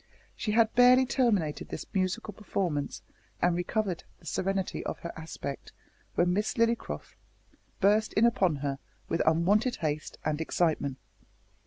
She had barely terminated this musical performance, and recovered the serenity of her aspect, when Miss Lillycrop burst in upon her with unwonted haste and excitement.